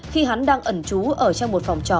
khi hắn đang ẩn trú ở trong một phòng trọ